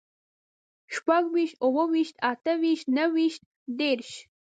شپږويشت، اووه ويشت، اته ويشت، نهه ويشت، دېرش